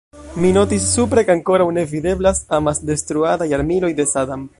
Mi notis supre, ke ankoraŭ ne videblas amasdetruadaj armiloj de Sadam.